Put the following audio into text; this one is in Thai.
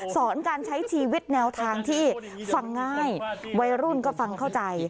สอนการใช้ชีวิตแนวทางที่ฟังง่ายวัยรุ่นก็ฟังเข้าใจ